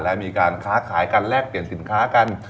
และมีการค้าขายกันแลกเปลี่ยนสินค้ากัน